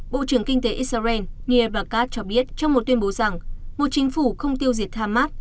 bộ trưởng kinh tế israel niebakat cho biết trong một tuyên bố rằng một chính phủ không tiêu diệt hamas